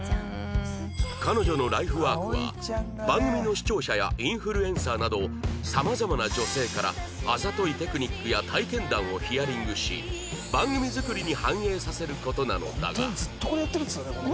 彼女のライフワークは番組の視聴者やインフルエンサーなどさまざまな女性からあざといテクニックや体験談をヒアリングし番組作りに反映させる事なのだが